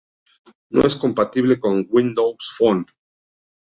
No es compatible con Windows Phone.